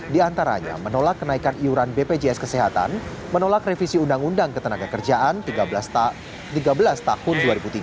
di antaranya menolak kenaikan iuran bpjs kesehatan menolak revisi undang undang ketenaga kerjaan tiga belas tahun dua ribu tiga belas